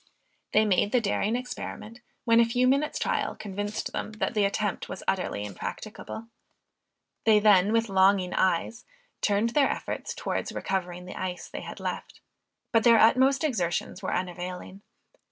They made the daring experiment, when a few minutes' trial convinced them, that the attempt was utterly impracticable. They then with longing eyes, turned their efforts towards recovering the ice they had left, but their utmost exertions were unavailing.